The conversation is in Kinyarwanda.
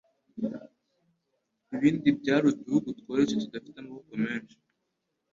Ibindi byari uduhugu tworoshye tudafite amaboko menshi